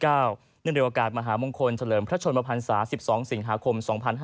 ในเรียวอากาศมหามงคลเฉลิมพระชนมพันษา๑๒สิงหาคม๒๕๖๑